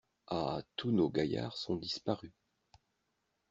Ah ! tous nos gaillards sont disparus.